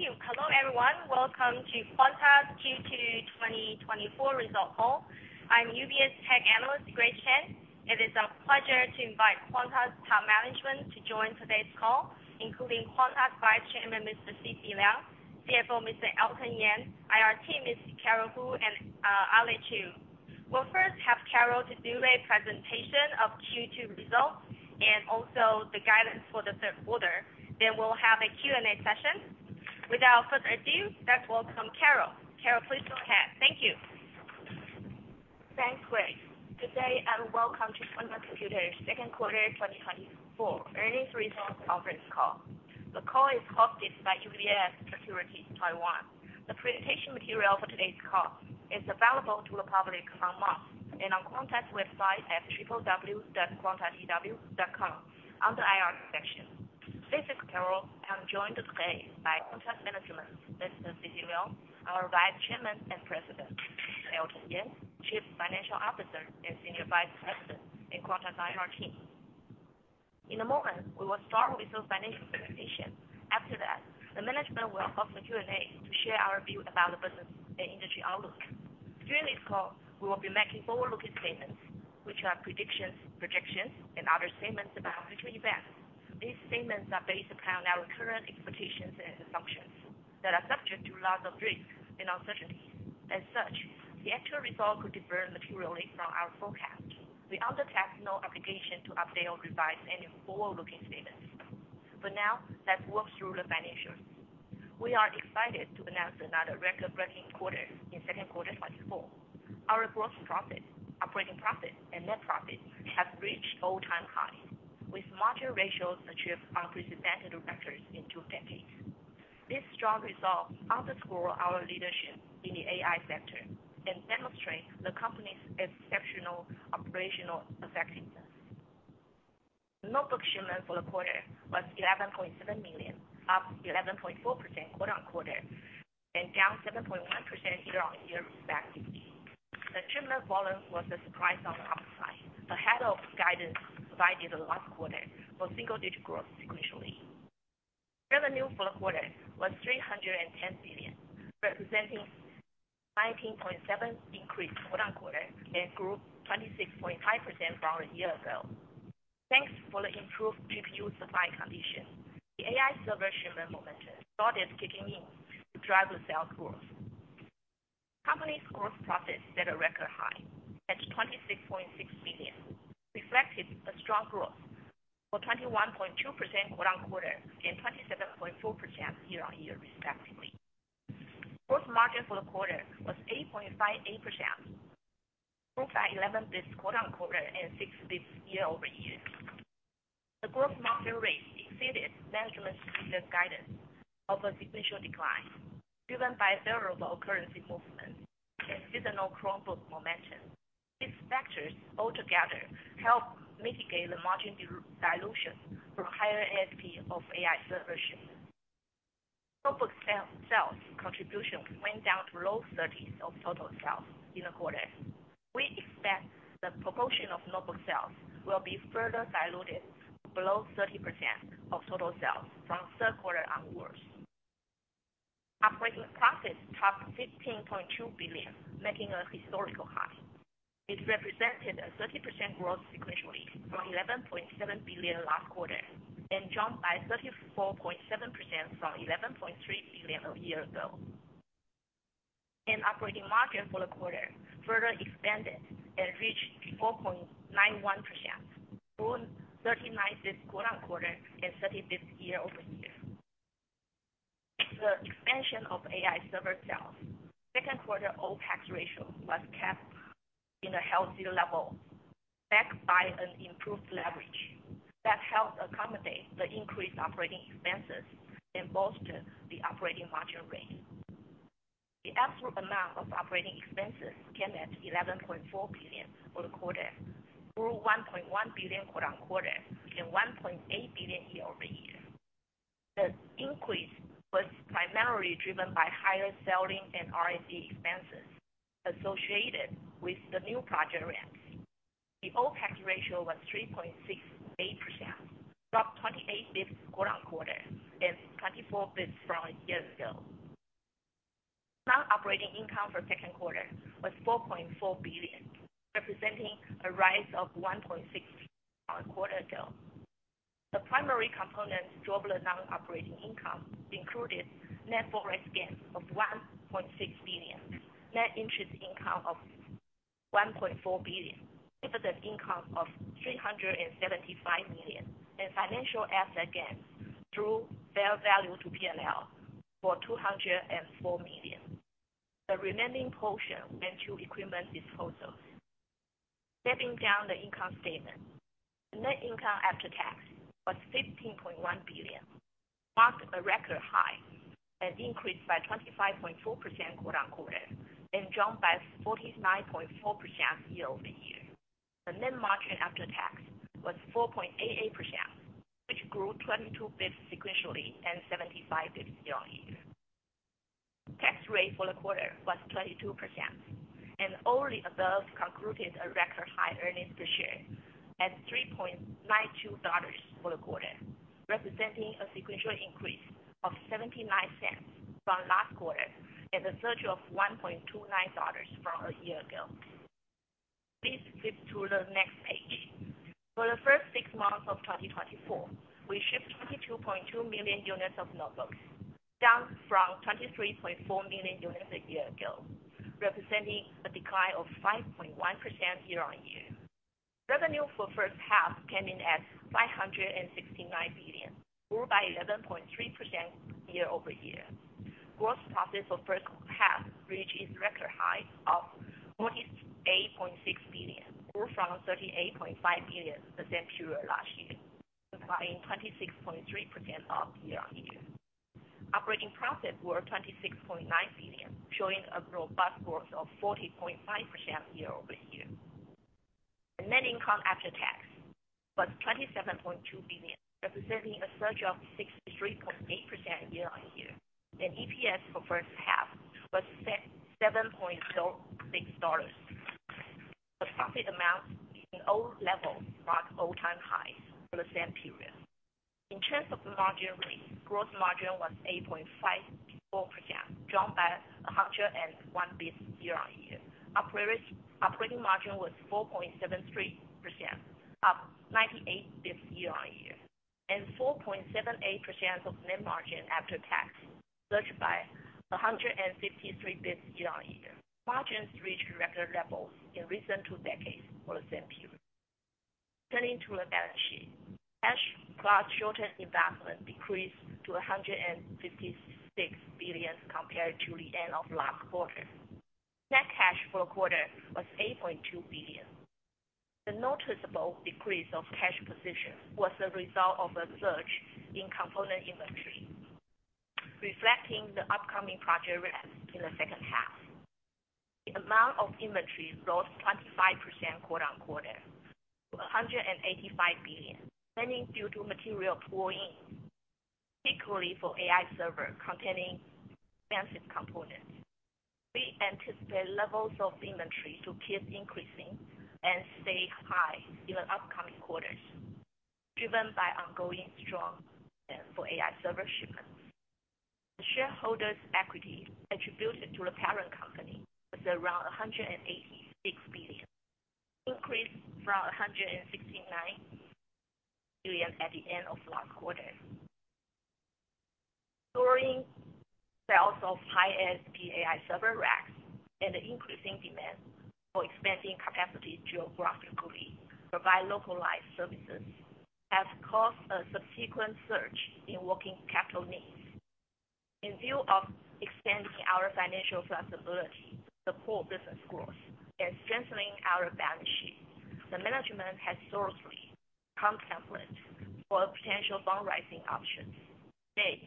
Thank you. Hello, everyone. Welcome to Quanta's Q2 2024 results call. I'm UBS Tech Analyst Grace Chen. It is our pleasure to invite Quanta's top management to join today's call, including Quanta Vice Chairman Mr. C.C. Leung, CFO Mr. Elton Yang, IR team Ms. Carol Hsu, and Alex Chiu. We'll first have Carol to do a presentation of Q2 results and also the guidance for the third quarter. Then we'll have a Q&A session. Without further ado, let's welcome Carol. Carol, please go ahead. Thank you. Thanks, Grace. Today, I welcome to Quanta Computer's second quarter 2024 earnings results conference call. The call is hosted by UBS Securities Taiwan. The presentation material for today's call is available to the public online and on Quanta's website at www.quantatw.com under IR section. This is Carol. I'm joined today by Quanta management, Mr. C.C. Leung, our Vice Chairman and President; Elton Yang, Chief Financial Officer and Senior Vice President; and Quanta IR team. In a moment, we will start with the financial presentation. After that, the management will host the Q&A to share our view about the business and industry outlook. During this call, we will be making forward-looking statements, which are predictions, projections, and other statements about future events. These statements are based upon our current expectations and assumptions that are subject to lots of risks and uncertainties. As such, the actual results could differ materially from our forecast. We undertake no obligation to update or revise any forward-looking statements. Now let's walk through the financials. We are excited to announce another record-breaking quarter in second quarter 2024. Our gross profit, operating profit, and net profit have reached all-time high, with margin ratios achieved unprecedented records in two decades. This strong result underscore our leadership in the AI sector and demonstrate the company's exceptional operational effectiveness. Notebook shipment for the quarter was 11.7 million, up 11.4% quarter-on-quarter, and down 7.1% year-on-year, respectively. The shipment volume was a surprise on the upside, ahead of guidance provided last quarter for single-digit growth sequentially. Revenue for the quarter was 310 billion, representing 19.7 increase quarter-on-quarter, and grew 26.5% from a year ago. Thanks to the improved GPU supply condition, the AI server shipment momentum started kicking in to drive the sales growth. Company's gross profits set a record high at 26.6 billion, reflecting a strong growth for 21.2% quarter-on-quarter and 27.4% year-on-year, respectively. Gross margin for the quarter was 8.58%, up by 11 basis points quarter-on-quarter and 6 basis points year-over-year. The gross margin rate exceeded management's previous guidance of a sequential decline, driven by favorable currency movement and seasonal Chromebook momentum. These factors altogether helped mitigate the margin dilution from higher ASP of AI server shipments. Notebook sales contribution went down to low 30s of total sales in the quarter. We expect the proportion of notebook sales will be further diluted below 30% of total sales from third quarter onwards. Operating profit topped 15.2 billion, making a historical high. It represented a 30% growth sequentially from 11.7 billion last quarter, and jumped by 34.7% from 11.3 billion a year ago. Operating margin for the quarter further expanded and reached 4.91%, growing 39 basis points quarter-on-quarter and 30 basis points year-over-year. The expansion of AI server sales, second quarter OPEX ratio was kept in a healthy level, backed by an improved leverage that helped accommodate the increased operating expenses and bolstered the operating margin rate. The absolute amount of operating expenses came at 11.4 billion for the quarter, grew 1.1 billion quarter-on-quarter, and 1.8 billion year-over-year. The increase was primarily driven by higher selling and R&D expenses associated with the new project ramps. The OpEx ratio was 3.68%, up 28 basis points quarter-on-quarter and 24 basis points from a year ago. Non-operating income for second quarter was 4.4 billion, representing a rise of 1.6 billion from a quarter ago. The primary components drove the non-operating income, included net foreign exchange of 1.6 billion, net interest income of 1.4 billion, dividend income of 375 million, and financial asset gains through fair value to P&L for 204 million. The remaining portion went to equipment disposals. Stepping down the income statement, the net income after tax was 15.1 billion, marked a record high, and increased by 25.4% quarter on quarter, and jumped by 49.4% year-over-year. The net margin after tax was 4.88%, which grew 22 basis points sequentially and 75 basis points year on year. The tax rate for the quarter was 22%, and all the above concluded a record high earnings per share at 3.92 dollars for the quarter, representing a sequential increase of 0.79 from last quarter and a surge of 1.29 dollars from a year ago. Please flip to the next page. For the first six months of 2024, we shipped 22.2 million units of notebooks, down from 23.4 million units a year ago, representing a decline of 5.1% year-on-year. Revenue for first half came in at 569 billion, grew by 11.3% year-over-year. Gross profit for first half reached its record high of 48.6 billion, grew from 38.5 billion the same period last year, supplying 26.3% of year-on-year. Operating profit were 26.9 billion, showing a robust growth of 40.5% year-over-year. The net income after tax was 27.2 billion, representing a surge of 63.8% year-on-year, and EPS for first half was 7.06 dollars. The profit amount and all levels marked all-time highs for the same period. In terms of the margin rate, gross margin was 8.54%, dropped by 101 basis points year-on-year. Operating margin was 4.73%, up 98 basis points year-on-year, and 4.78% net margin after tax, surged by 153 basis points year-on-year. Margins reached record levels in recent two decades for the same period. Turning to the balance sheet. Cash plus short-term investment decreased to 156 billion compared to the end of last quarter. Net cash for quarter was 8.2 billion. The noticeable decrease of cash position was a result of a surge in component inventory, reflecting the upcoming project ramp in the second half. The amount of inventory rose 25% quarter-on-quarter to 185 billion, mainly due to material pull-in, particularly for AI server containing expensive components. We anticipate levels of inventory to keep increasing and stay high in the upcoming quarters, driven by ongoing strong demand for AI server shipments. The shareholders' equity attributed to the parent company was around 186 billion, increased from 169 billion at the end of last quarter. Growing sales of high-ASP AI server racks and the increasing demand for expanding capacity geographically provide localized services, have caused a subsequent surge in working capital needs. In view of extending our financial flexibility, support business growth, and strengthening our balance sheet, the management has thoroughly contemplated for potential fundraising options. Today,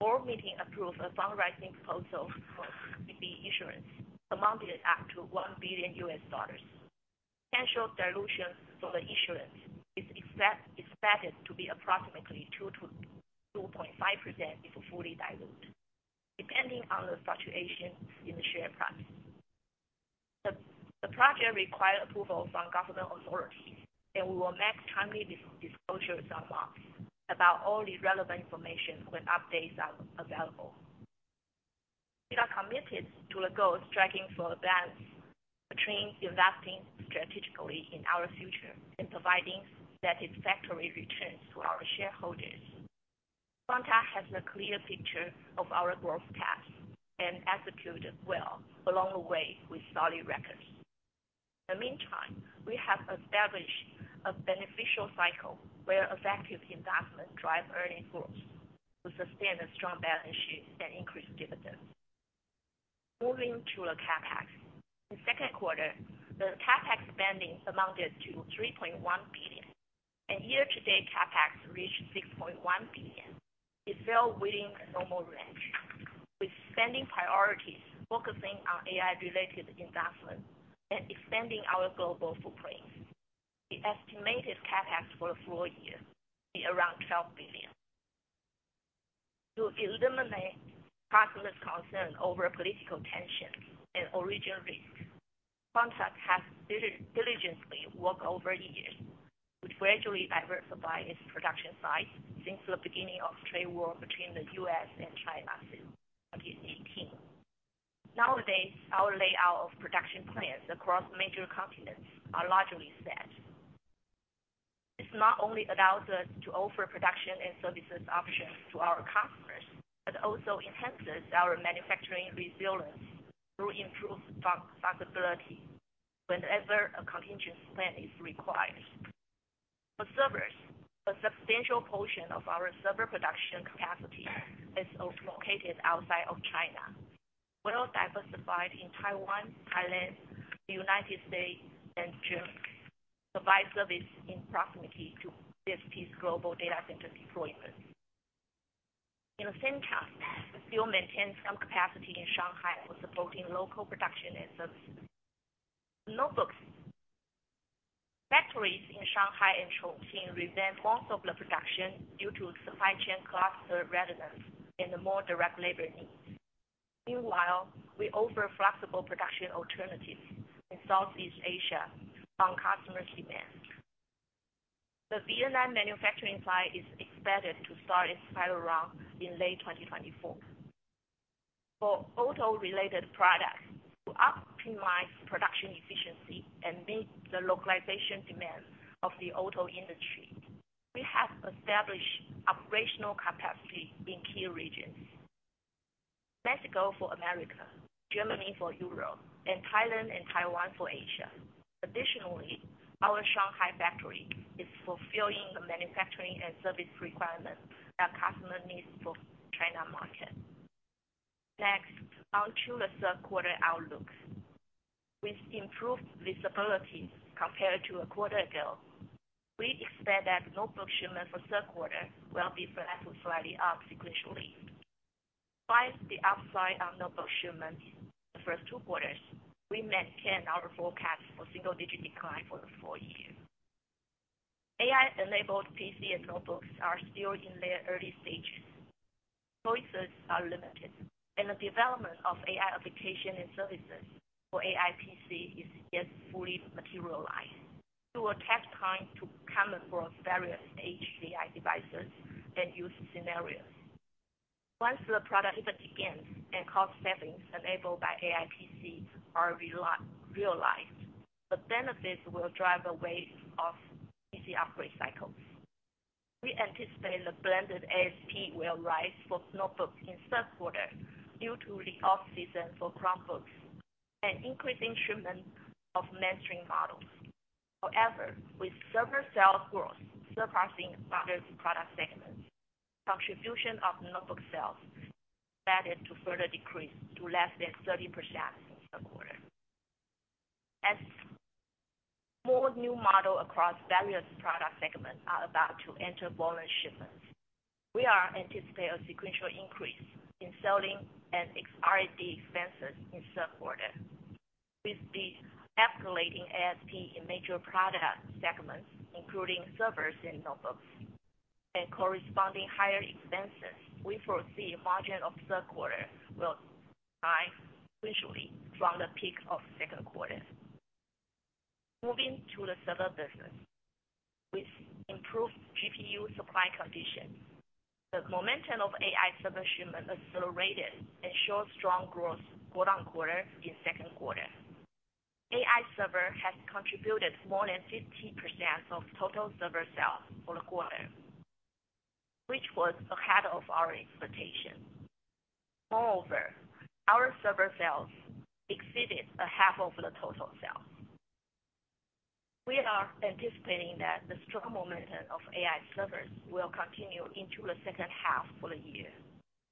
board meeting approved a fundraising proposal for the issuance amounted up to $1 billion. Potential dilution for the issuance is expected to be approximately 2%-2.5% if fully dilute, depending on the fluctuation in the share price. The project requires approval from government authorities, and we will make timely disclosures about all the relevant information when updates are available. We are committed to the goal of striving for a balance between investing strategically in our future and providing satisfactory returns to our shareholders. Quanta has a clear picture of our growth path and executed well along the way with solid records. In the meantime, we have established a beneficial cycle where effective investment drives earnings growth to sustain a strong balance sheet and increase dividends. Moving to the CapEx. The second quarter, the CapEx spending amounted to 3.1 billion, and year-to-date CapEx reached 6.1 billion. It fell within the normal range, with spending priorities focusing on AI-related investment and expanding our global footprint. The estimated CapEx for the full year will be around 12 billion. To eliminate customers' concern over political tension and origin risk, Quanta has diligently worked over the years, which gradually diversify its production sites since the beginning of trade war between the U.S. and China in 2018. Nowadays, our layout of production plants across major continents are largely set. This not only allows us to offer production and services options to our customers, but also enhances our manufacturing resilience through improved flexibility whenever a contingency plan is required. For servers, a substantial portion of our server production capacity is also located outside of China. We're well diversified in Taiwan, Thailand, the United States, and Germany, provide service in proximity to 50 global data center deployments. In the same time, we still maintain some capacity in Shanghai for supporting local production and service. Notebooks? Factories in Shanghai and Chongqing resume most of the production due to supply chain cluster resonance and the more direct labor needs. Meanwhile, we offer flexible production alternatives in Southeast Asia on customers' demand. The Vietnam manufacturing site is expected to start its pilot round in late 2024. For auto-related products, to optimize production efficiency and meet the localization demands of the auto industry, we have established operational capacity in key regions. Mexico for America, Germany for Europe, and Thailand and Taiwan for Asia. Additionally, our Shanghai factory is fulfilling the manufacturing and service requirements that customer needs for China market. Next, on to the third quarter outlook. With improved visibility compared to a quarter ago, we expect that notebook shipments for third quarter will be flat to slightly up sequentially. Despite the upside on notebook shipments the first two quarters, we maintain our forecast for single-digit decline for the full year. AI-enabled PC and notebooks are still in their early stages. Choices are limited, and the development of AI application and services for AI PC is yet fully materialized. It will take time to come across various HCI devices and use scenarios. Once the product ramp begins and cost savings enabled by AI PC are realized, the benefits will drive a wave of PC upgrade cycles. We anticipate the blended ASP will rise for notebooks in third quarter due to the off-season for Chromebooks and increasing shipments of mainstream models. However, with server sales growth surpassing other product segments, contribution of notebook sales expected to further decrease to less than 30% third quarter. As more new model across various product segments are about to enter volume shipments, we are anticipating a sequential increase in selling and R&D expenses in third quarter. With the escalating ASP in major product segments, including servers and notebooks, and corresponding higher expenses, we foresee margin of third quarter will decline sequentially from the peak of second quarter. Moving to the server business. With improved GPU supply conditions, the momentum of AI server shipments accelerated and showed strong growth quarter-on-quarter in second quarter. AI server has contributed more than 50% of total server sales for the quarter, which was ahead of our expectation. Moreover, our server sales exceeded a half of the total sales. We are anticipating that the strong momentum of AI servers will continue into the second half for the year,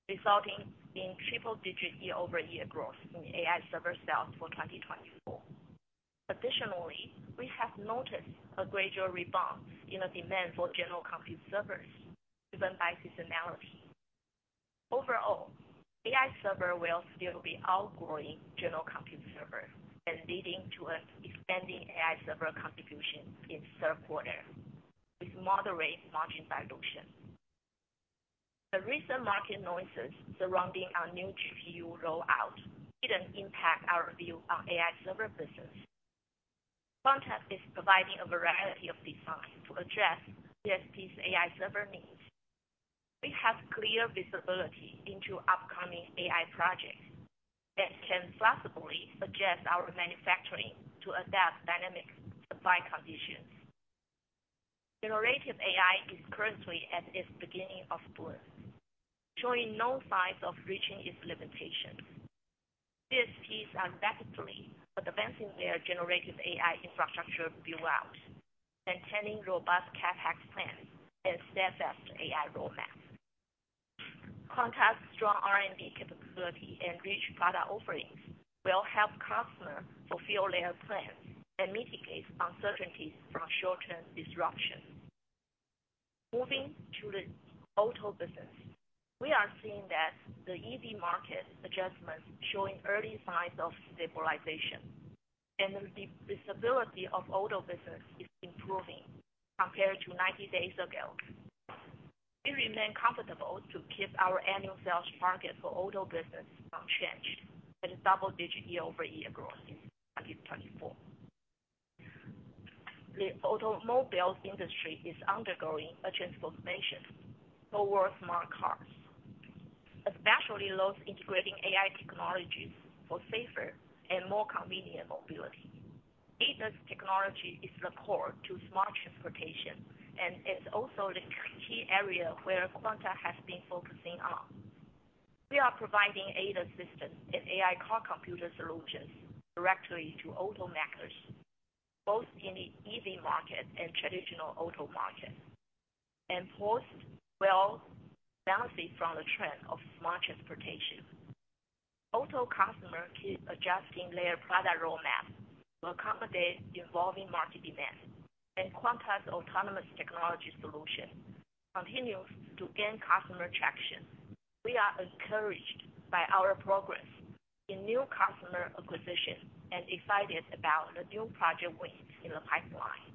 resulting in triple-digit year-over-year growth in AI server sales for 2024. Additionally, we have noticed a gradual rebound in the demand for general compute servers, driven by seasonality. Overall, AI server will still be outgrowing general compute server and leading to an expanding AI server contribution in third quarter, with moderate margin dilution. The recent market noises surrounding our new GPU rollout didn't impact our view on AI server business. Quanta is providing a variety of designs to address CSP's AI server needs. We have clear visibility into upcoming AI projects, and can flexibly adjust our manufacturing to adapt dynamic supply conditions. Generative AI is currently at its beginning of boom, showing no signs of reaching its limitations. CSPs are rapidly advancing their generative AI infrastructure build-out, maintaining robust CapEx plans and steadfast AI roadmaps. Quanta's strong R&D capability and rich product offerings will help customer fulfill their plans and mitigate uncertainties from short-term disruption. Moving to the auto business. We are seeing that the EV market adjustments showing early signs of stabilization, and the visibility of auto business is improving compared to 90 days ago. We remain comfortable to keep our annual sales target for auto business unchanged, with double-digit year-over-year growth in 2024. The automobile industry is undergoing a transformation towards smart cars, especially those integrating AI technologies for safer and more convenient mobility. ADAS technology is the core to smart transportation, and it's also the key area where Quanta has been focusing on. We are providing ADAS systems and AI car computer solutions directly to auto makers, both in the EV market and traditional auto market, and both will benefit from the trend of smart transportation. Auto customer keep adjusting their product roadmap to accommodate evolving market demand, and Quanta's autonomous technology solution continues to gain customer traction. We are encouraged by our progress. In new customer acquisition and excited about the new project wins in the pipeline.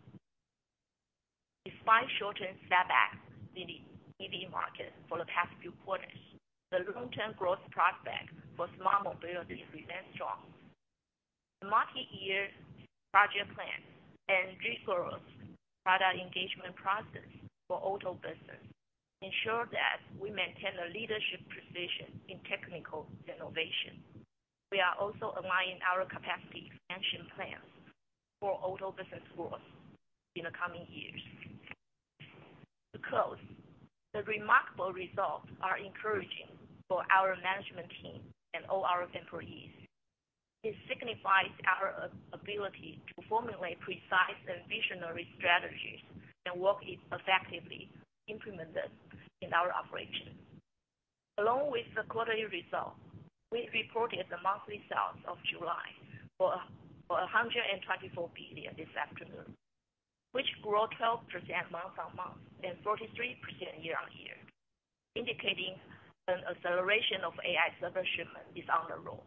Despite short-term setbacks in the EV market for the past few quarters, the long-term growth prospect for smart mobility remains strong. The multi-year project plan and rigorous product engagement process for auto business ensure that we maintain a leadership position in technical innovation. We are also aligning our capacity expansion plans for auto business growth in the coming years. To close, the remarkable results are encouraging for our management team and all our employees. It signifies our ability to formulate precise and visionary strategies, and work is effectively implemented in our operations. Along with the quarterly results, we reported the monthly sales of July for 124 billion this afternoon, which grew 12% month-on-month and 43% year-on-year, indicating an acceleration of AI server shipment is on the road.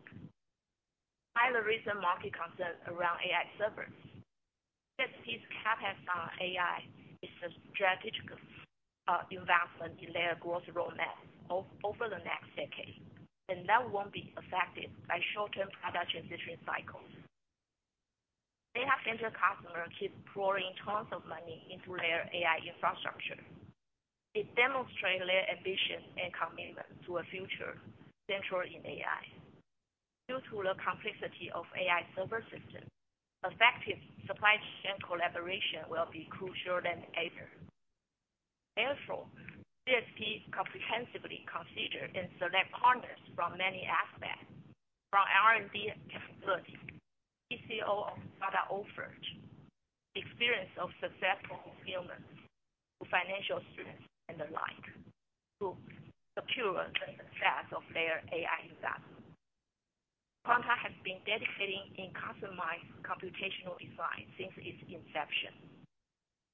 While the recent market concerns around AI servers, CSPs cap on AI is a strategic investment in their growth roadmap over the next decade, and that won't be affected by short-term product transition cycles. Data center customers keep pouring tons of money into their AI infrastructure. It demonstrates their ambition and commitment to a future central in AI. Due to the complexity of AI server system, effective supply chain collaboration will be crucial than ever. Therefore, CSP comprehensively consider and select partners from many aspects, from R&D and capability, TCO of product offered, experience of successful shipments, to financial strength and the like, to secure the success of their AI investment. Quanta has been dedicating in customized computational design since its inception.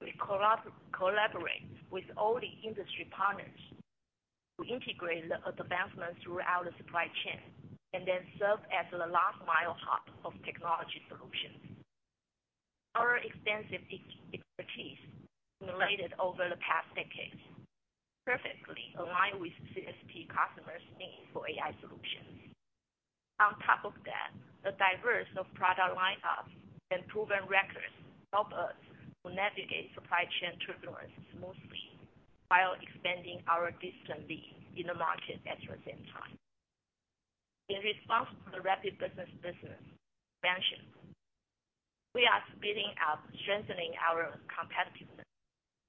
We collaborate with all the industry partners to integrate the advancements throughout the supply chain, and then serve as the last mile hub of technology solutions. Our extensive expertise, related over the past decades, perfectly align with CSP customers' needs for AI solutions. On top of that, the diverse of product lineups and proven records help us to navigate supply chain turbulence smoothly while expanding our distinct lead in the market at the same time. In response to the rapid business expansion, we are speeding up strengthening our competitiveness.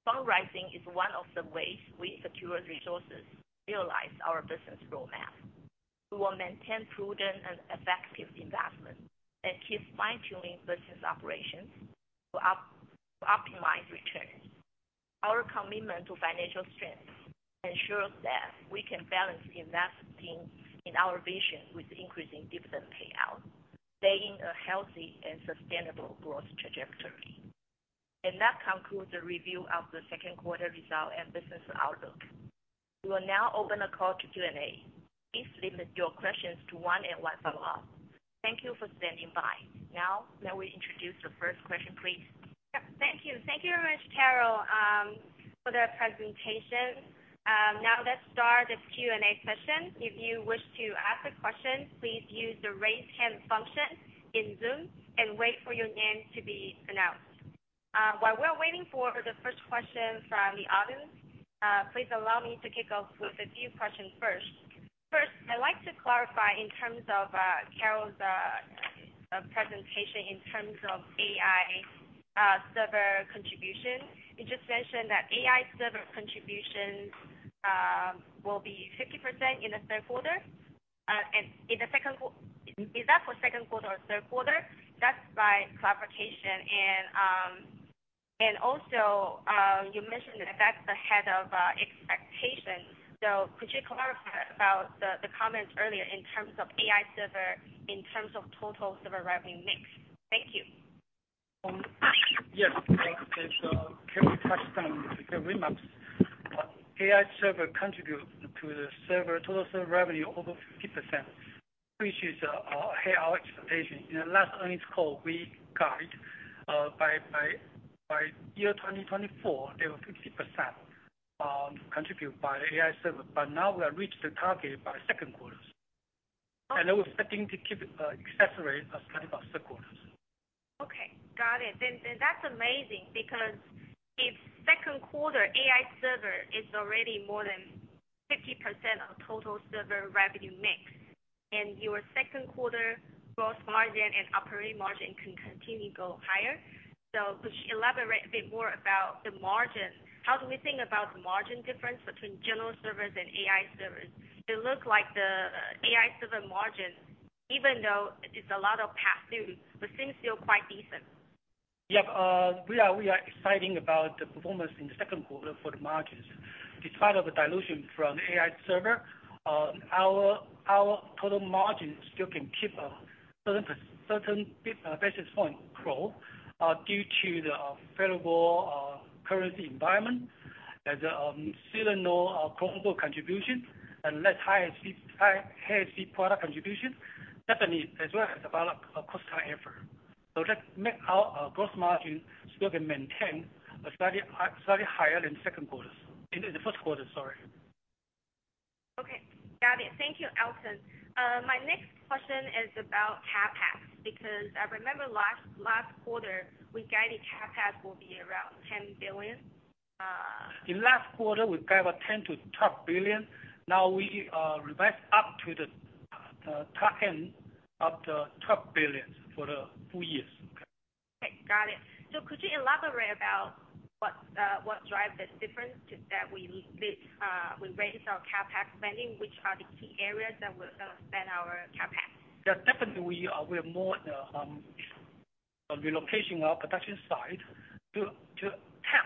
Fund raising is one of the ways we secure resources to realize our business roadmap. We will maintain prudent and effective investment and keep fine-tuning business operations to optimize returns. Our commitment to financial strength ensures that we can balance investing in our vision with increasing dividend payout, staying a healthy and sustainable growth trajectory. That concludes the review of the second quarter results and business outlook. We will now open the call to Q&A. Please limit your questions to one and one follow-up. Thank you for standing by. Now, may we introduce the first question, please? Yeah, thank you. Thank you very much, Carol, for the presentation. Now let's start this Q&A session. If you wish to ask a question, please use the raise hand function in Zoom and wait for your name to be announced. While we're waiting for the first question from the audience, please allow me to kick off with a few questions first. First, I'd like to clarify in terms of Carol's presentation in terms of AI server contribution. You just mentioned that AI server contributions will be 50% in the third quarter, and in the second quarter - is that for second quarter or third quarter? Just by clarification. And also, you mentioned that that's ahead of expectations. Could you clarify about the comments earlier in terms of AI server, in terms of total server revenue mix? Thank you. Yes. So can we touch on the remarks? AI server contribute to the server total server revenue over 50%, which is ahead of our expectation. In the last earnings call, we guide by year 2024, there were 50% contributed by AI server, but now we have reached the target by second quarters. And we're expecting to keep it accelerate as kind of our quarters. Okay, got it. Then that's amazing, because if second quarter AI server is already more than 50% of total server revenue mix, and your second quarter gross margin and operating margin can continue to go higher. So could you elaborate a bit more about the margin? How do we think about the margin difference between general servers and AI servers? It looks like the AI server margin, even though it's a lot of passive, but seems still quite decent. Yep. We are exciting about the performance in the second quarter for the margins. Despite of the dilution from AI server, our total margin still can keep certain basis point growth due to the favorable currency environment. As still no profitable contribution and less high-end product contribution, definitely, as well as development cost time effort. So that make our gross margin still can maintain a slightly higher than second quarters. In the first quarter, sorry. Okay, got it. Thank you, Nelson. My next question is about CapEx, because I remember last, last quarter, we guided CapEx will be around 10 billion. In last quarter, we guide about 10 billion-12 billion. Now we revised up to the top end of the 12 billion for the full years. Okay. Okay, got it. So could you elaborate about what, what drive the difference that we raised our CapEx spending? Which are the key areas that we're gonna spend our CapEx? Yeah, definitely, we are relocating our production sites to tap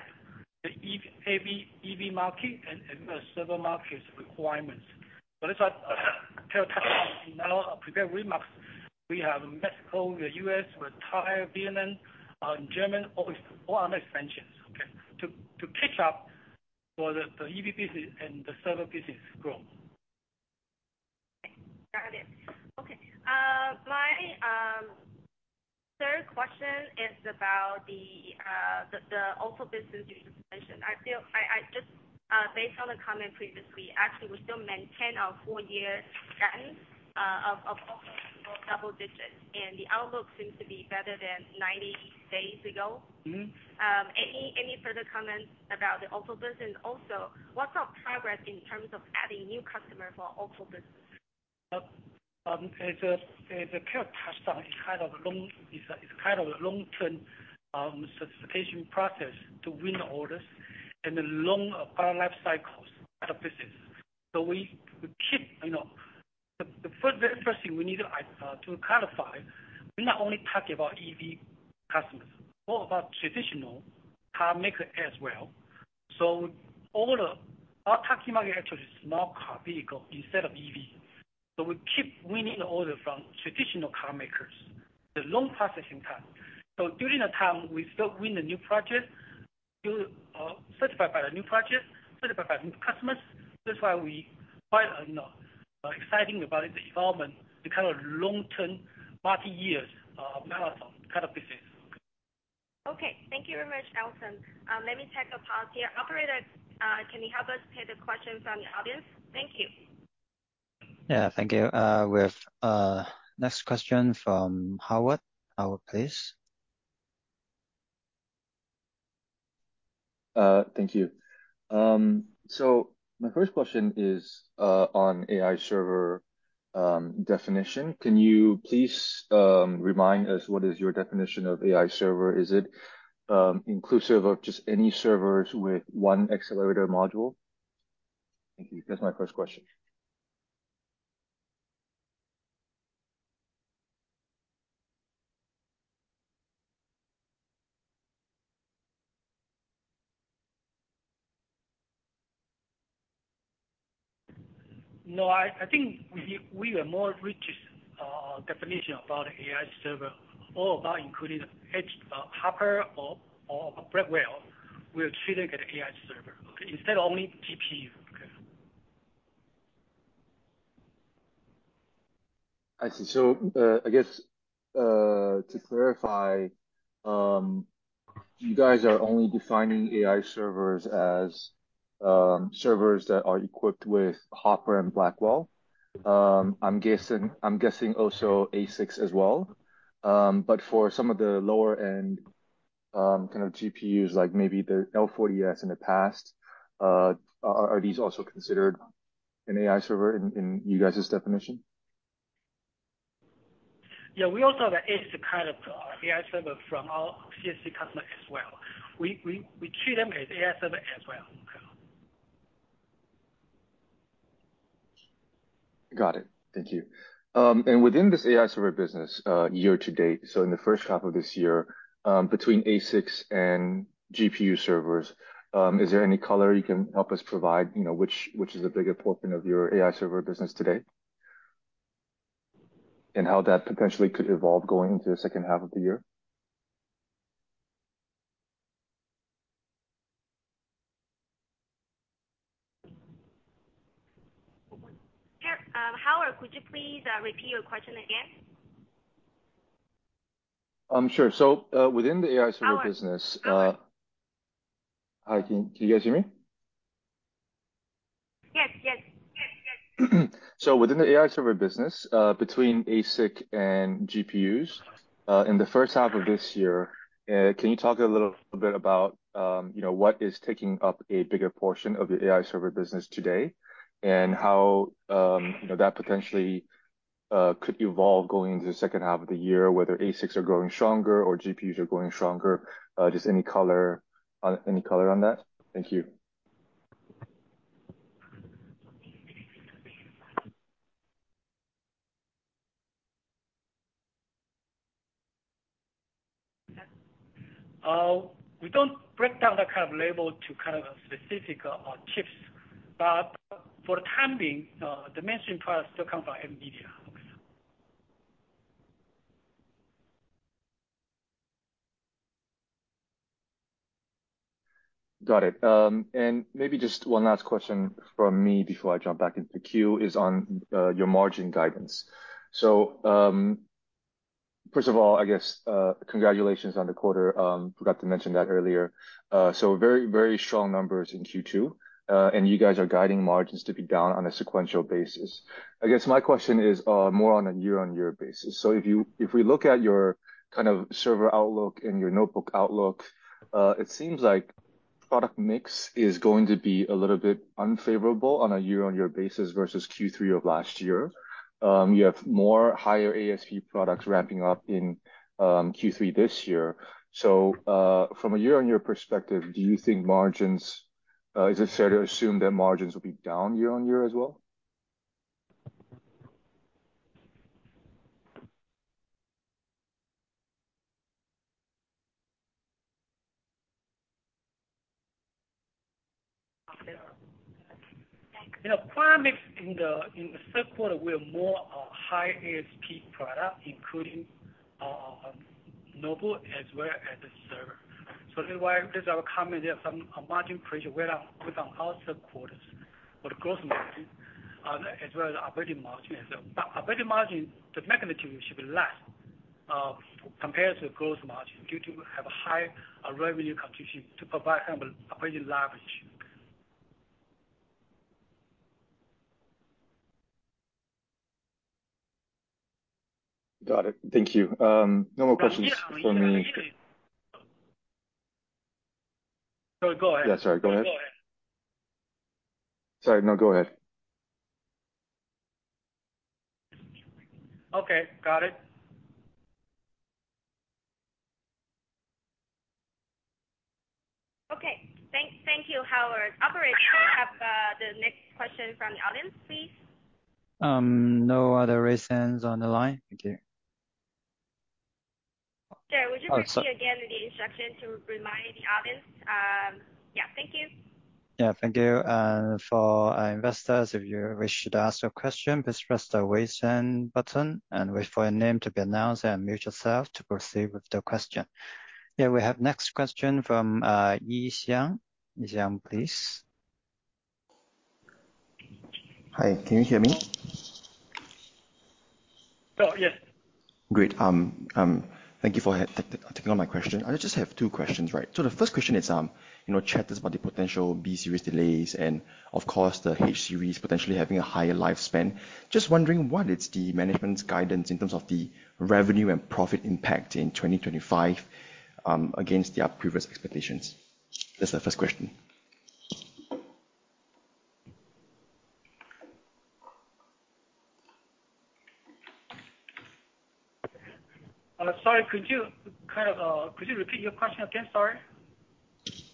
the EV, AV, EV market and the server market's requirements. So that's why, in our prepared remarks, we have Mexico, the U.S., Thailand, Vietnam, and Germany, all under expansions, okay? To catch up for the EV business and the server business growth. Got it. Okay, my third question is about the auto business you just mentioned. I feel... I just, based on the comment previously, actually we still maintain our 4-year trend, of double digits, and the outlook seems to be better than 90 days ago. Mm-hmm. Any further comments about the auto business? And also, what's our progress in terms of adding new customers for our auto business? As I kind of touched on, it's kind of a long-term certification process to win the orders and the long life cycles kind of business. So we keep, you know, the first thing we need to clarify, we're not only talking about EV customers, more about traditional car maker as well. So our target market actually is small car vehicle instead of EV. So we keep winning the order from traditional car makers, the long processing time. So during that time, we still win the new project, still certified by the new project, certified by new customers. That's why we quite, you know, excited about the development, the kind of long-term, multi-years, marathon kind of business. Okay. Thank you very much, Elton. Let me take a pause here. Operator, can you help us take the questions from the audience? Thank you. Yeah, thank you. We have next question from Howard. Howard, please. Thank you. So my first question is, on AI server definition. Can you please, remind us what is your definition of AI server? Is it, inclusive of just any servers with one accelerator module? Thank you. That's my first question. No, I think we are more richest definition about AI server. All about including Edge, Hopper or Blackwell, we are treating it as AI server, okay? Instead of only GPU. Okay. I see. So, I guess, to clarify, you guys are only defining AI servers as, servers that are equipped with Hopper and Blackwell. I'm guessing, I'm guessing also ASICs as well. But for some of the lower-end, kind of GPUs, like maybe the L40S in the past, are these also considered an AI server in you guys' definition? Yeah, we also have the Edge to kind of AI server from our CSP customer as well. We treat them as AI server as well. Got it. Thank you. And within this AI server business, year to date, so in the first half of this year, between ASICs and GPU servers, is there any color you can help us provide, you know, which, which is a bigger portion of your AI server business today? And how that potentially could evolve going into the second half of the year? Sure. Howard, could you please repeat your question again? Sure. So, within the AI server business, Howard? Howard. Hi, can you guys hear me? Yes, yes. Yes, yes. So within the AI server business, between ASIC and GPUs, in the first half of this year, can you talk a little bit about, you know, what is taking up a bigger portion of your AI server business today? And how, you know, that potentially could evolve going into the second half of the year, whether ASICs are growing stronger or GPUs are growing stronger? Just any color on that? Thank you. We don't break down that kind of label to kind of specific chips. But for the time being, dimension products still come from NVIDIA. Got it. And maybe just one last question from me before I jump back into the queue, is on your margin guidance. So, first of all, I guess, congratulations on the quarter. Forgot to mention that earlier. So very, very strong numbers in Q2. And you guys are guiding margins to be down on a sequential basis. I guess my question is more on a year-on-year basis. So if you, if we look at your kind of server outlook and your notebook outlook, it seems like product mix is going to be a little bit unfavorable on a year-on-year basis versus Q3 of last year. You have more higher ASP products ramping up in Q3 this year. So, from a year-on-year perspective, do you think margins... Is it fair to assume that margins will be down year-on-year as well? Yeah. You know, product mix in the third quarter, we are more high ASP product, including notebook as well as the server. So that's why there's our comment. There are some margin pressure with on our suppliers for the gross margin, as well as operating margin. But operating margin, the magnitude should be less compared to gross margin, due to have a high revenue contribution to provide kind of operating leverage. Got it. Thank you. No more questions from me. Sorry, go ahead. Yeah, sorry. Go ahead. Go ahead. Sorry. No, go ahead. Okay, got it. Okay. Thank you, Howard. Operator, can I have the next question from the audience, please? No other raised hands on the line. Thank you. Yeah. Would you- Oh, sorry. Repeat again the instruction to remind the audience? Yeah, thank you. Yeah, thank you. For our investors, if you wish to ask a question, please press the Raise Hand button and wait for your name to be announced and unmute yourself to proceed with the question. Yeah, we have next question from Yi-Hsiang. Yi-Hsiang, please. Hi, can you hear me? Oh, yes. Great. Thank you for taking on my question. I just have two questions, right? So the first question is, you know, that is about the potential B series delays and of course, the H series potentially having a higher lifespan. Just wondering, what is the management's guidance in terms of the revenue and profit impact in 2025, against their previous expectations? That's the first question. Sorry, could you kind of, could you repeat your question again? Sorry.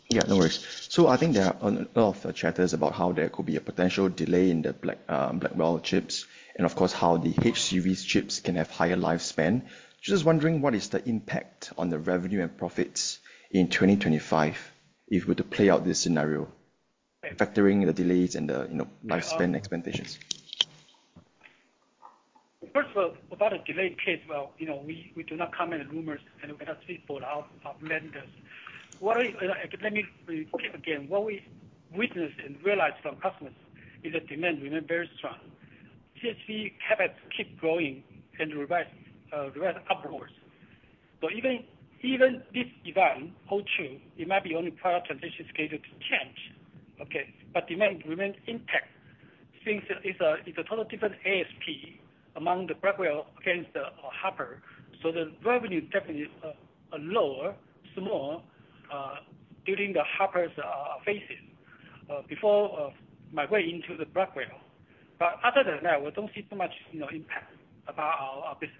Yeah, no worries. So I think there are a lot of chatters about how there could be a potential delay in the Blackwell chips and of course, how the H100s chips can have higher lifespan. Just wondering, what is the impact on the revenue and profits in 2025 if we were to play out this scenario, factoring the delays and the, you know, lifespan expectations? First of all, about a delayed case, well, you know, we, we do not comment on rumors and we cannot speak for our, our vendors. What we, let me repeat again, what we witness and realize from customers is that demand remain very strong. CSP habits keep growing and revise, revise upwards. So even, even this event holds true, it might be only product transition schedule to change, okay? But demand remains intact since it's a, it's a total different ASP among the Blackwell against the, Hopper. So the revenue definitely is, lower, small, during the Hopper's, phases, before, migrating into the Blackwell. But other than that, we don't see so much, you know, impact about our, our business.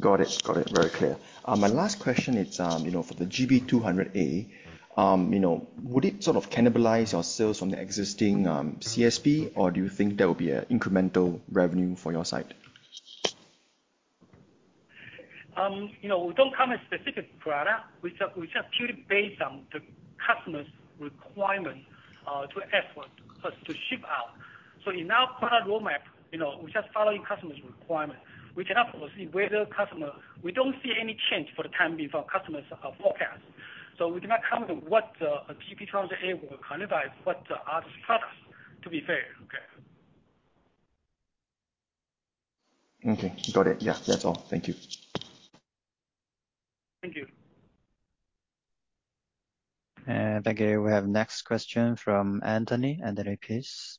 Got it. Got it. Very clear. My last question is, you know, for the GB200A, you know, would it sort of cannibalize your sales from the existing, CSP, or do you think that would be an incremental revenue for your side? You know, we don't have a specific product. We just, we just purely based on the customer's requirement to offer, plus to ship out. So in our product roadmap, you know, we're just following customer's requirements. We cannot foresee whether customer... We don't see any change for the time being for our customers' forecast. So we cannot comment on what GB200A will cannibalize, what other products to be fair. Okay? Okay, got it. Yeah, that's all. Thank you. Thank you. Thank you. We have next question from Anthony. Anthony, please.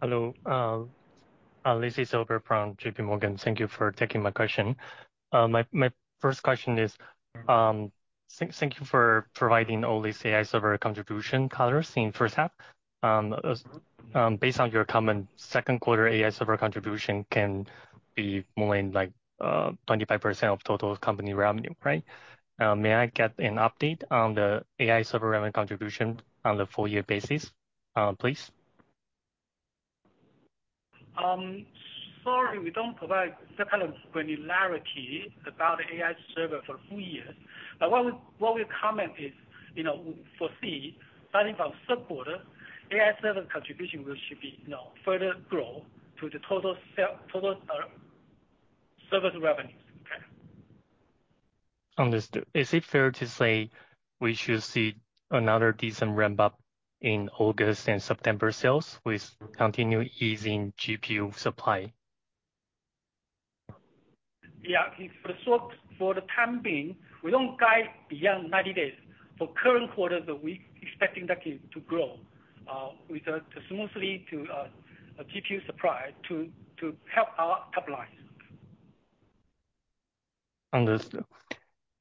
Hello, this is Albert from JPMorgan. Thank you for taking my question. My first question is, thank you for providing all these AI server contribution colors in first half. Based on your comment, second quarter AI server contribution can be more in like, 25% of total company revenue, right? May I get an update on the AI server revenue contribution on the full year basis, please? Sorry, we don't provide that kind of granularity about AI server for full year. But what we, what we comment is, you know, we foresee starting from third quarter, AI server contribution will, should be, you know, further grow to the total sales, total server revenues. Okay? Understood. Is it fair to say we should see another decent ramp up in August and September sales with continued easing GPU supply? Yeah, so for the time being, we don't guide beyond 90 days. For the current quarter, we expect that to grow smoothly with the GPU supply to help our top line. Understood.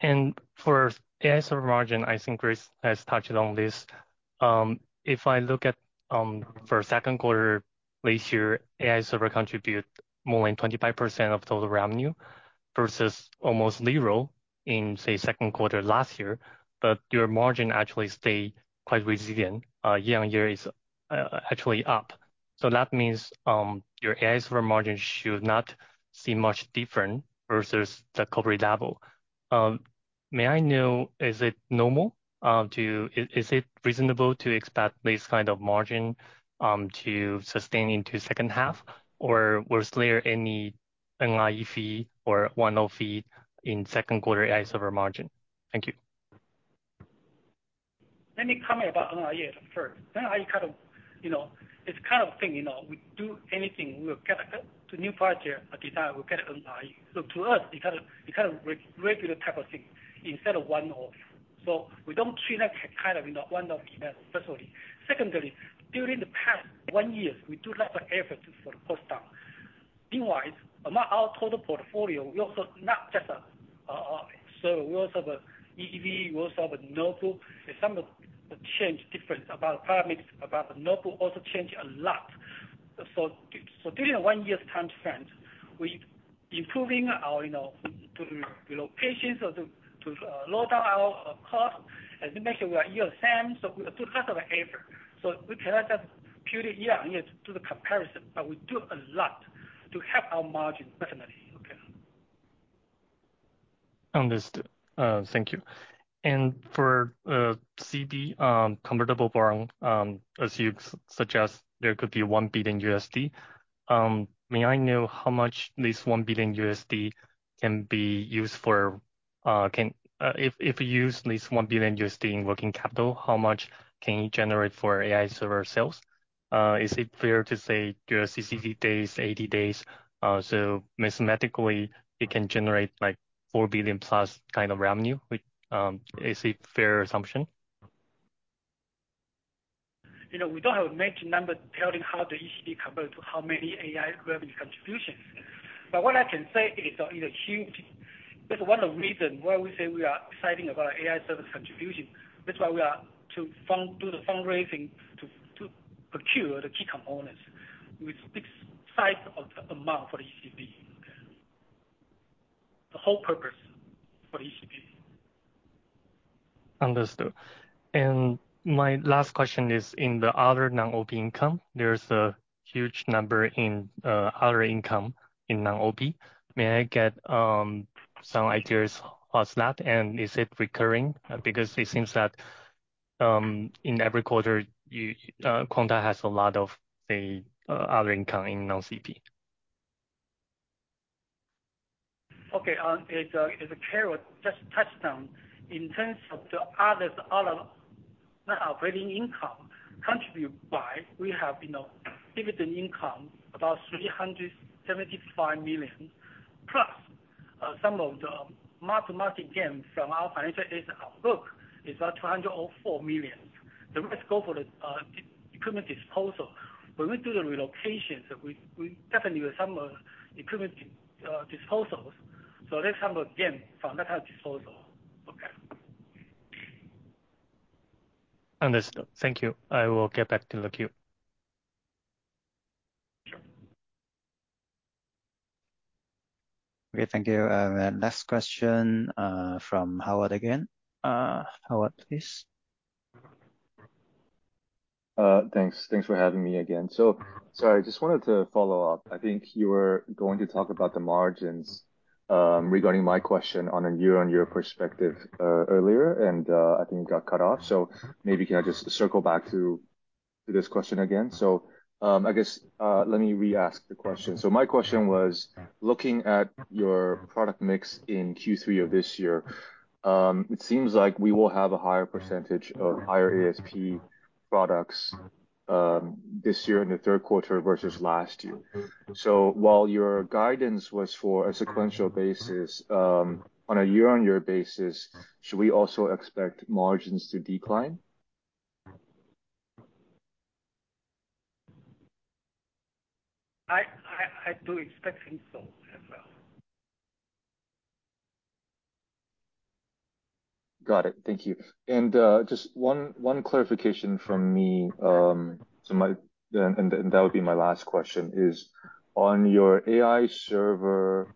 And for AI server margin, I think Chris has touched on this. If I look at, for second quarter this year, AI server contribute more than 25% of total revenue, versus almost zero in, say, second quarter last year. But your margin actually stay quite resilient. Year-on-year is, actually up. So that means, your AI server margin should not seem much different versus the recovery level. May I know, is it normal, to... Is it reasonable to expect this kind of margin, to sustain into second half? Or was there any NRE fee or one-off fee in second quarter AI server margin? Thank you. Let me comment about NRE first. NRE kind of, you know, it's kind of thing, you know, we do anything, we'll get a new project, a design, we'll get NRE. So to us, it's kind of, kind of re-regular type of thing instead of one-off. So we don't treat that kind of, you know, one-off event, especially. Secondly, during the past one year, we do lot of effort for the cost down. Meanwhile, among our total portfolio, we also not just a, so we also have a EV, we also have a notebook, and some of the change different about parameters, about the notebook also change a lot. So, so during the one year's time frame, we improving our, you know, to, to, lower down our cost and make sure we are year the same. So we put lot of effort. So we cannot just purely do the comparison, but we do a lot to help our margin, definitely. Okay. Understood. Thank you. For ECB convertible bond, as you suggest, there could be $1 billion. May I know how much this $1 billion can be used for, if you use this $1 billion in working capital, how much can you generate for AI server sales? Is it fair to say your CCC days, 80 days, so mathematically, it can generate, like, $4 billion+ kind of revenue? Is it fair assumption? You know, we don't have an exact number telling how the CapEx convert to how many AI server revenue contributions. But what I can say is that, you know, huge, that's one of the reason why we say we are excited about AI server contribution. That's why we are to fund, do the fundraising to, to procure the key components with this size of amount for the ECB. Okay. The whole purpose for the ECB. Understood. And my last question is in the other non-OP income. There's a huge number in other income in non-OP. May I get some ideas on that? And is it recurring? Because it seems that in every quarter, you Quanta has a lot of, say, other income in non-OP. Okay, as Carol just touched on, in terms of the other non-operating income contributed by, we have, you know, dividend income about 375 million, plus some of the mark-to-market gains from our financial assets in our book about 204 million. The rest goes for the equipment disposal. When we do the relocations, we definitely do some equipment disposals. So this number, again, from that disposal. Okay. Understood. Thank you. I will get back to the queue. Okay, thank you. Next question from Howard again. Howard, please. Thanks. Thanks for having me again. So I just wanted to follow up. I think you were going to talk about the margins, regarding my question on a year-on-year perspective, earlier, and I think it got cut off. So maybe can I just circle back to this question again? So I guess let me reask the question. So my question was, looking at your product mix in Q3 of this year, it seems like we will have a higher percentage of higher ASP products, this year in the third quarter versus last year. So while your guidance was for a sequential basis, on a year-on-year basis, should we also expect margins to decline? I do expecting so as well. Got it. Thank you. And just one clarification from me. And that would be my last question, is on your AI server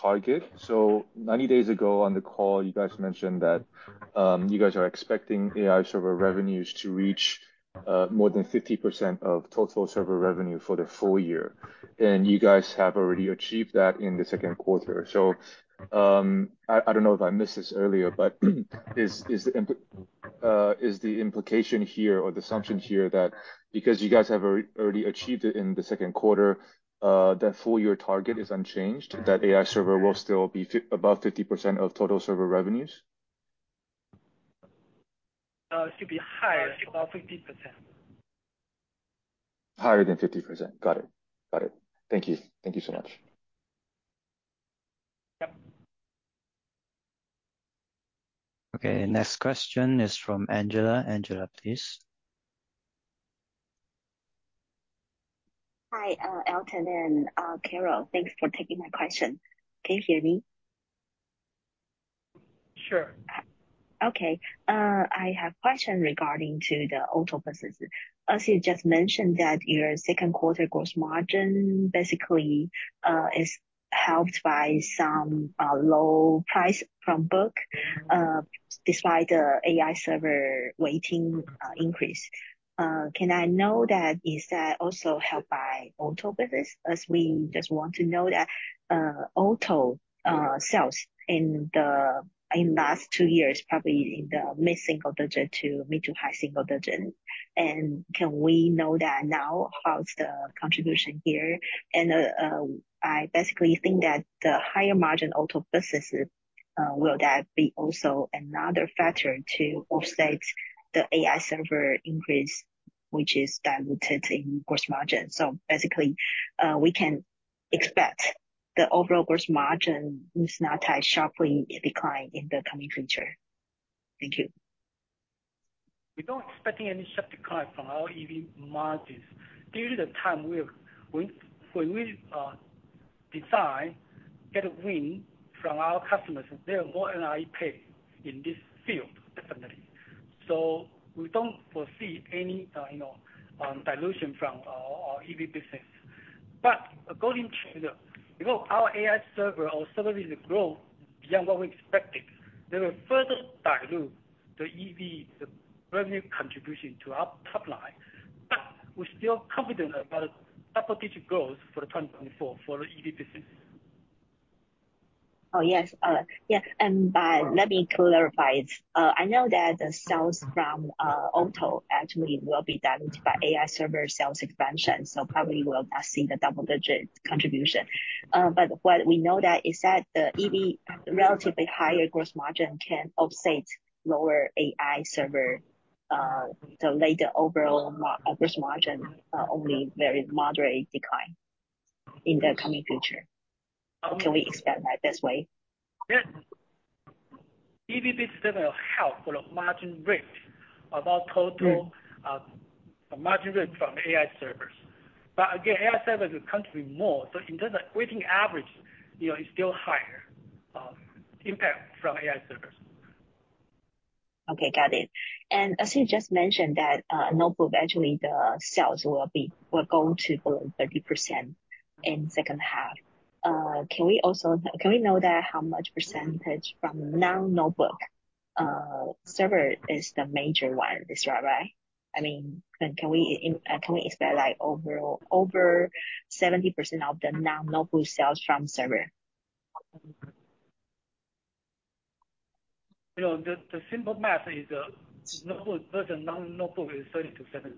target. So many days ago on the call, you guys mentioned that you guys are expecting AI server revenues to reach more than 50% of total server revenue for the full year. And you guys have already achieved that in the second quarter. So I don't know if I missed this earlier, but is the implication here or the assumption here that because you guys have already achieved it in the second quarter, that full year target is unchanged, that AI server will still be above 50% of total server revenues? It should be higher than 50%. Higher than 50%. Got it. Got it. Thank you. Thank you so much. Yep. Okay, next question is from Angela. Angela, please. Hi, Elton and, Carol. Thanks for taking my question. Can you hear me? Sure. Okay. I have question regarding to the auto business. As you just mentioned, that your second quarter gross margin basically is helped by some low price from notebook, despite the AI server weighting increase. Can I know that, is that also helped by auto business? As we just want to know that, auto sales in the last two years, probably in the mid-single digit to mid-to-high single digit. And can we know that now, how's the contribution here? And I basically think that the higher margin auto businesses, will that be also another factor to offset the AI server increase, which is diluted in gross margin? So basically, we can expect the overall gross margin is not as sharply declined in the coming future. Thank you. We're not expecting any sharp decline from our EV margins. During the time when we get a design win from our customers, they have more NRE pay in this field, definitely. So we don't foresee any dilution from our EV business. Because our AI server business is growing beyond what we expected, they will further dilute the EV, the revenue contribution to our top line. But we're still confident about double-digit growth for 2024 for the EV business. Oh, yes. Yes, and but let me clarify. I know that the sales from, auto actually will be done by AI server sales expansion, so probably we'll not see the double-digit contribution. But what we know that is that the EV relatively higher gross margin can offset lower AI server, to make the overall gross margin, only very moderate decline in the coming future. Can we expect that this way? Yes. EV business will help with the margin rate of our total- Yes. Margin rate from AI servers. But again, AI servers contribute more. So in terms of weighted average, you know, it's still higher impact from AI servers. Okay, got it. And as you just mentioned that, notebook, actually, the sales will be, will go to below 30% in second half. Can we also, can we know that how much percentage from now notebook, server is the major one, is that right? I mean, can, can we, can we expect, like, overall over 70% of the now notebook sales from server? You know, the simple math is, notebook versus non-notebook is 30-70.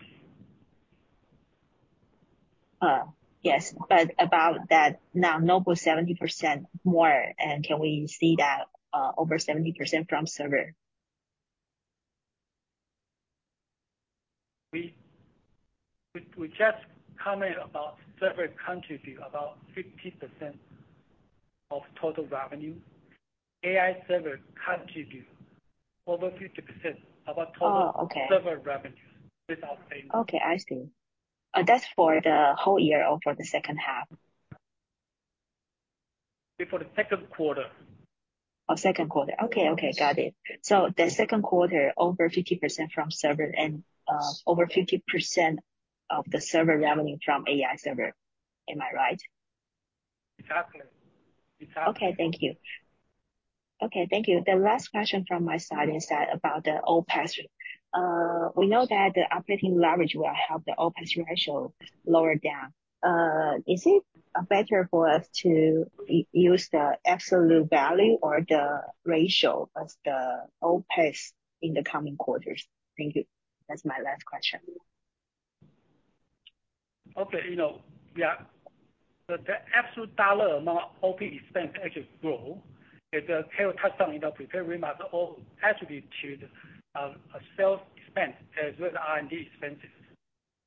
Yes, but about that, now notebook 70% more, and can we see that over 70% from server? We just comment about server contribute about 50% of total revenue. AI server contribute over 50% of our total- Oh, okay. Server revenues without saying. Okay, I see. That's for the whole year or for the second half? It's for the second quarter. Oh, second quarter. Okay. Okay, got it. So the second quarter, over 50% from server and over 50% of the server revenue from AI server. Am I right? Exactly. Exactly. Okay, thank you. Okay, thank you. The last question from my side is that about the OpEx. We know that the operating leverage will help the OpEx ratio lower down. Is it better for us to use the absolute value or the ratio as the OpEx in the coming quarters? Thank you. That's my last question. Okay, you know, yeah. The absolute dollar amount, OpEx actually grow. As Carol touched on in our prepared remarks, all attributed to a sales expense as well as R&D expenses.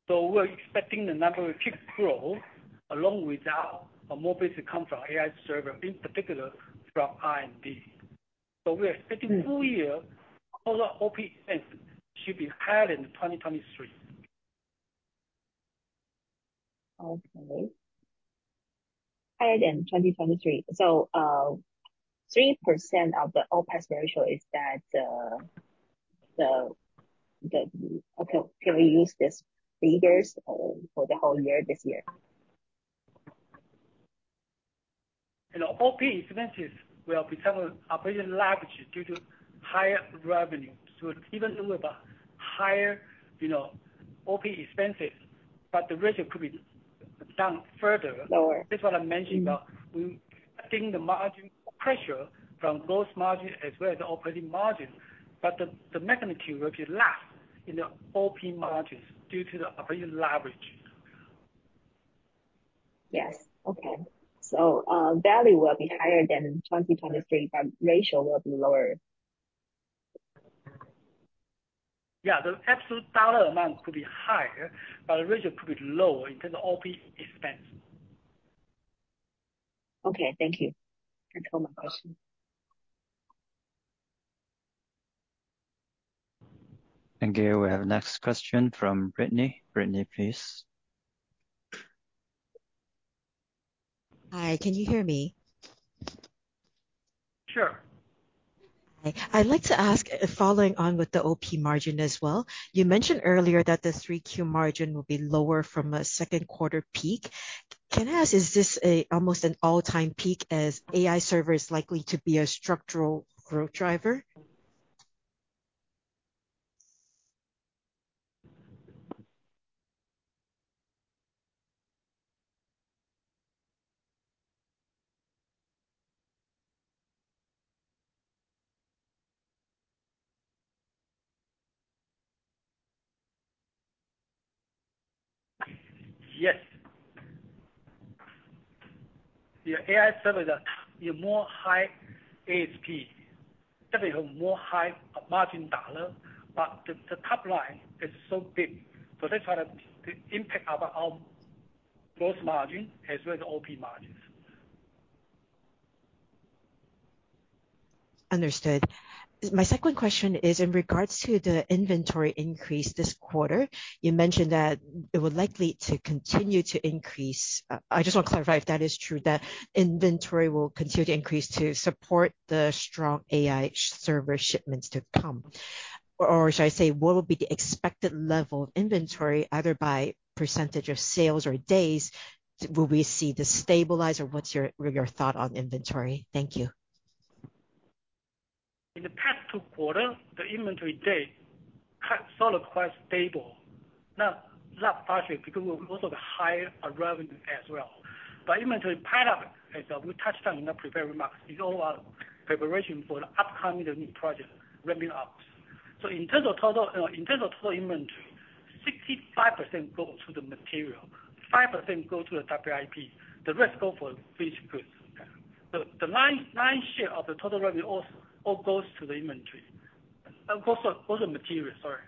So we're expecting the number to keep grow along with our more business come from AI server, in particular from R&D. So we are expecting full year, although OpEx should be higher than 2023. Okay. Higher than 2023. So, 3% of the OpEx ratio, is that... So, okay, can we use these figures for the whole year, this year? You know, OpEx expenses will become operating leverage due to higher revenue. So even though we've a higher, you know, OpEx expenses, but the ratio could be down further. Lower. This is what I mentioned about. I think the margin pressure from gross margin as well as operating margin, but the magnitude will be less in the OP margins due to the operating leverage. Yes. Okay. So, value will be higher than 2023, but ratio will be lower? Yeah. The absolute dollar amount could be higher, but the ratio could be lower in terms of OpEx. Okay, thank you. That's all my questions. Thank you. We have next question from Brittany. Brittany, please. Hi, can you hear me? Sure. Hi. I'd like to ask, following on with the OP margin as well, you mentioned earlier that the 3Q margin will be lower from a second quarter peak. Can I ask, is this almost an all-time peak, as AI server is likely to be a structural growth driver? Yes. The AI servers are in more high ASP, definitely a more high margin dollar, but the, the top line is so big. So that's why the, the impact of our gross margin as well as OP margins. Understood. My second question is in regards to the inventory increase this quarter. You mentioned that it would likely to continue to increase. I just want to clarify if that is true, that inventory will continue to increase to support the strong AI server shipments to come? Or should I say, what will be the expected level of inventory, either by percentage of sales or days, will we see this stabilize, or what's your, your thought on inventory? Thank you. In the past two quarters, the inventory day kind of quite stable. Not, not partially because of also the higher revenue as well. But inventory pileup, as we touched on in the prepared remarks, is all our preparation for the upcoming new product ramping up. So in terms of total, in terms of total inventory, 65% goes to the material, 5% goes to the WIP, the rest goes for finished goods. The, the 99 share of the total revenue all goes to the inventory. Goes to, goes to material, sorry.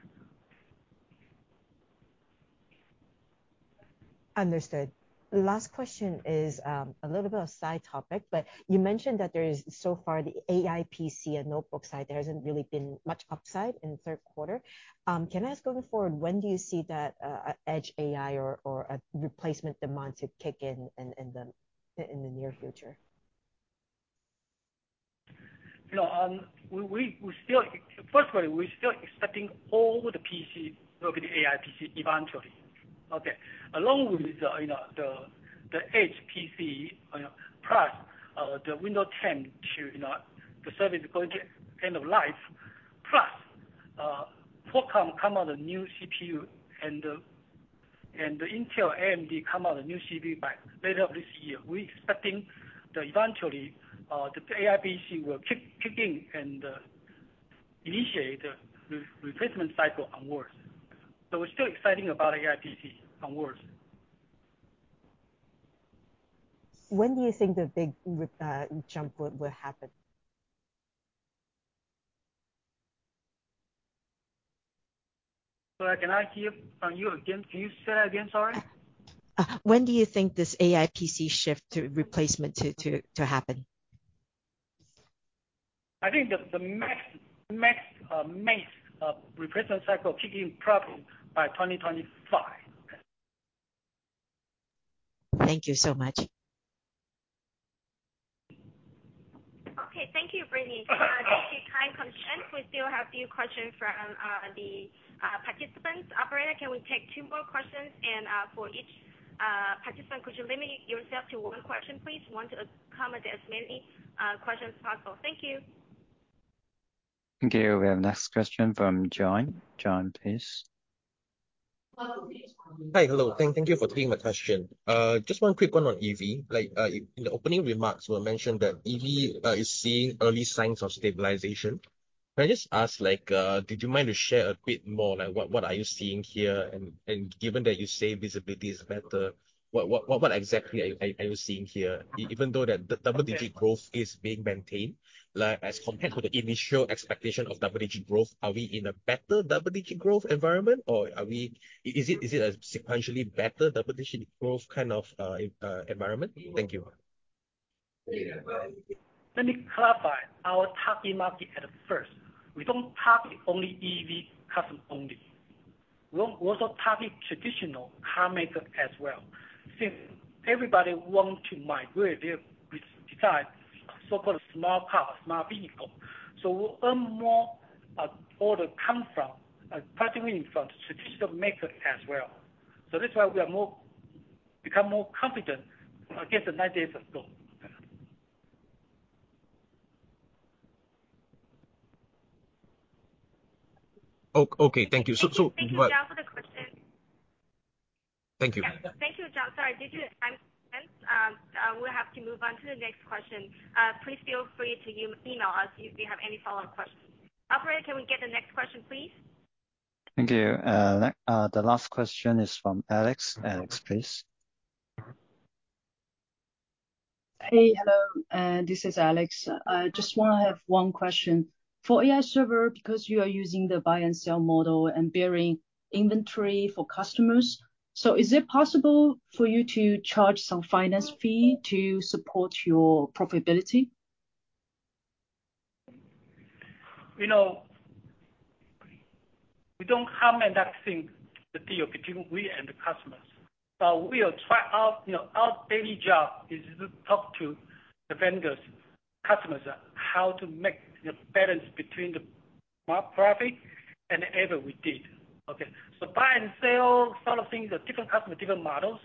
Understood. Last question is a little bit of a side topic, but you mentioned that there is, so far, the AI PC and notebook side, there hasn't really been much upside in the third quarter. Can I ask, going forward, when do you see that edge AI or a replacement demand to kick in in the near future? You know, we still... Firstly, we're still expecting all the PC will be AI PC eventually, okay? Along with the, you know, edge PC, you know, plus, the Windows 10 to, you know, the service is going to end of life. Plus, Qualcomm come out with a new CPU, and Intel and AMD come out with new CPU by later of this year. We're expecting that eventually, the AI PC will kick in and initiate the replacement cycle onwards. So we're still exciting about AI PC onwards. When do you think the big jump will happen? Sorry, can I hear from you again? Can you say that again, sorry? When do you think this AI PC shift to replacement to happen? I think the next replacement cycle kick in probably by 2025. Thank you so much. Okay. Thank you, Brittany. Due to time constraints, we still have a few questions from the participants. Operator, can we take two more questions? And for each participant, could you limit yourself to one question, please? We want to accommodate as many questions as possible. Thank you. Thank you. We have next question from John. John, please. Hi. Hello. Thank you for taking my question. Just one quick one on EV. Like, in the opening remarks were mentioned that EV is seeing early signs of stabilization. Can I just ask, like, did you mind to share a bit more, like, what are you seeing here? And given that you say visibility is better, what exactly are you seeing here? Even though that the double digit growth is being maintained, like, as compared to the initial expectation of double digit growth, are we in a better double digit growth environment, or are we... Is it a sequentially better double digit growth kind of environment? Thank you. Let me clarify. Our target market at first, we don't target only EV customers only. We'll also target traditional car makers as well, since everybody want to migrate their design, so-called small car, small vehicle. So we'll earn more, order come from, particularly from traditional makers as well. So that's why we are more, become more confident against the nine days ago. Okay, thank you. Thank you, John, for the question. Thank you. Thank you, John. Sorry, due to time, we'll have to move on to the next question. Please feel free to email us if you have any follow-up questions. Operator, can we get the next question, please? Thank you. The last question is from Alex. Alex, please. Hey, hello, this is Alex. I just wanna have one question. For AI server, because you are using the buy and sell model and bearing inventory for customers, so is it possible for you to charge some finance fee to support your profitability? You know, we don't have that thing, the deal between we and the customers. But we are try our, you know, our daily job is to talk to the vendors, customers, how to make the balance between the mark profit and the effort we did. Okay. So buy and sell sort of things are different customer, different models,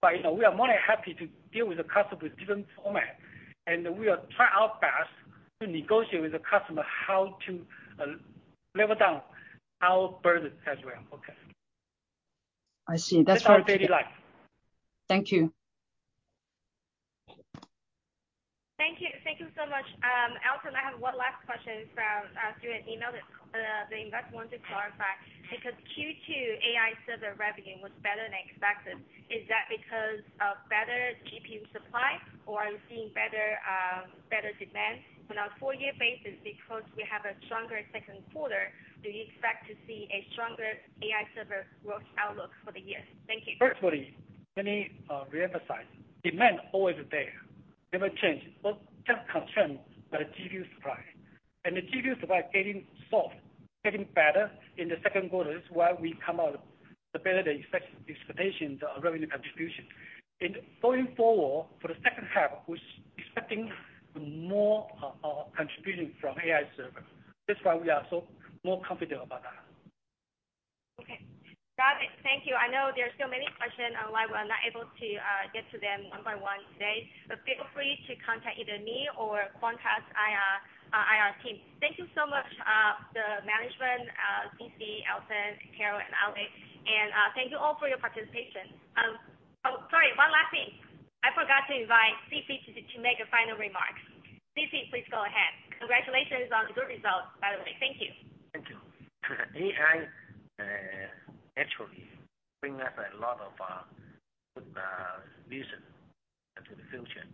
but, you know, we are more than happy to deal with the customer with different format, and we will try our best to negotiate with the customer how to level down our burden as well. Okay. I see. That's what- That's our daily life. Thank you. Thank you. Thank you so much. Alex, and I have one last question from the investor want to clarify. Because Q2 AI server revenue was better than expected, is that because of better GPU supply, or are you seeing better demand? On a full year basis, because we have a stronger second quarter, do you expect to see a stronger AI server growth outlook for the year? Thank you. Firstly, let me reemphasize. Demand always there. Demand change, but just concerned by the GPU supply. And the GPU supply getting solved, getting better in the second quarter. This is why we come out with the better than expected expectations, the revenue contribution. In going forward, for the second half, we're expecting more contribution from AI server. That's why we are so more confident about that. Okay. Got it. Thank you. I know there are still many questions, and why we are not able to get to them one by one today. But feel free to contact either me or contact IR, our IR team. Thank you so much, the management, C.C., Elton, Carol, and Alex. And thank you all for your participation. Oh, sorry, one last thing. I forgot to invite C.C. to make a final remarks. C.C., please go ahead. Congratulations on the good results, by the way. Thank you. Thank you. AI actually brings us a lot of good vision into the future.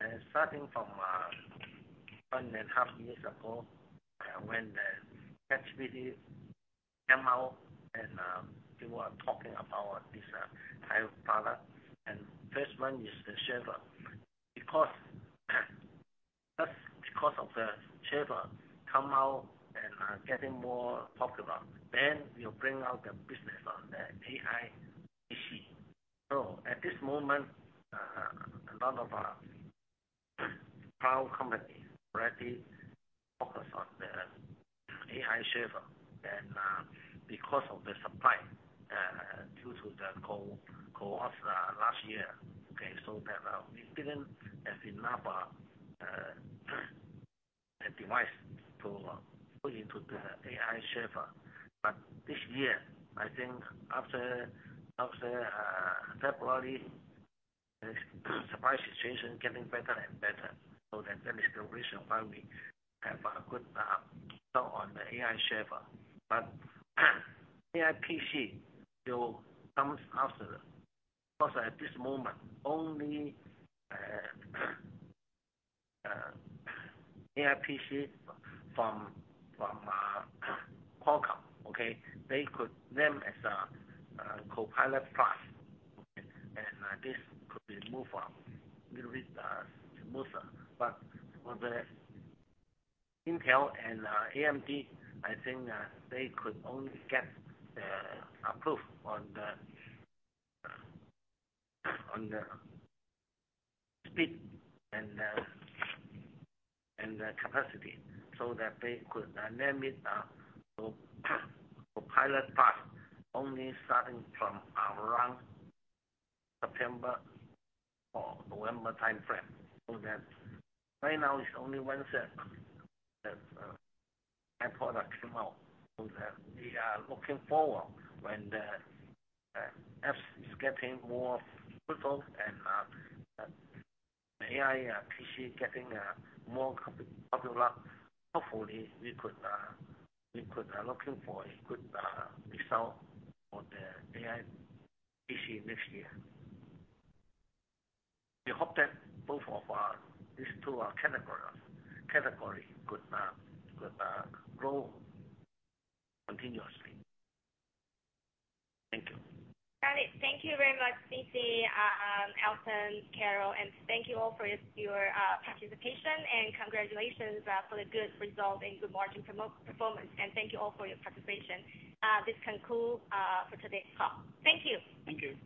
And starting from one and a half years ago, when the ChatGPT came out and people are talking about this type of product, and first one is the server. Because, just because of the server come out and getting more popular, then we'll bring out the business on the AI PC. So at this moment, a lot of cloud companies already focus on the AI server. And because of the supply due to the COVID last year, okay, so that we didn't have enough device to put into the AI server. But this year, I think after gradually the supply situation getting better and better, so that then is the reason why we have a good start on the AI server. But AI PC will come after, because at this moment, only AI PC from Qualcomm, okay? They could name as Copilot+. And this could be move a little bit smoother. But for the Intel and AMD, I think they could only get approved on the speed and the capacity so that they could name it so Copilot+, only starting from around September or November time frame. So that right now, it's only one set that end product came out. So that we are looking forward when the apps is getting more fruitful and AI PC getting more popular. Hopefully, we could look for a good result for the AI PC next year. We hope that both of these two categories could grow continuously. Thank you. Got it. Thank you very much, C.C., Elton, Carol, and thank you all for your participation, and congratulations for the good result and good margin performance, and thank you all for your participation. This concludes for today's call. Thank you. Thank you.